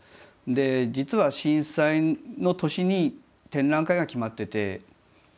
で実は震災の年に展覧会が決まってて美術館で。